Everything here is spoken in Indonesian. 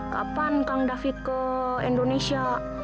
kapan kang david ke indonesia